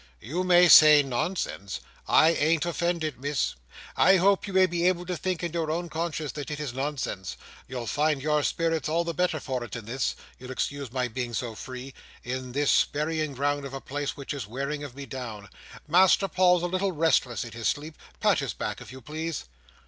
"You may say nonsense! I ain't offended, Miss. I hope you may be able to think in your own conscience that it is nonsense; you'll find your spirits all the better for it in this—you'll excuse my being so free—in this burying ground of a place; which is wearing of me down. Master Paul's a little restless in his sleep. Pat his back, if you please."